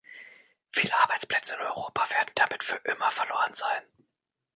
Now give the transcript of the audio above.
Viele Arbeitsplätze in Europa werden damit für immer verloren sein.